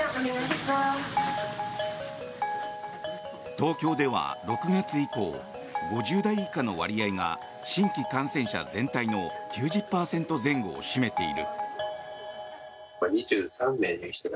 東京では６月以降５０代以下の割合が新規感染者全体の９０％前後を占めている。